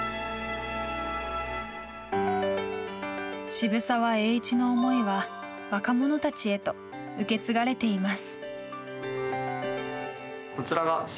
渋沢栄一の思いは若者たちへと受け継がれています。